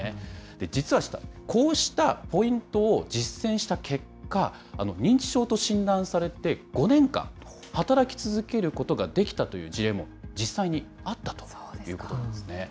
実は、こうしたポイントを実践した結果、認知症と診断されて５年間、働き続けることができたという事例も実際にあったということなんですね。